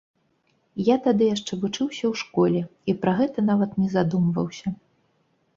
Я тады яшчэ вучыўся ў школе і пра гэта нават не задумваўся.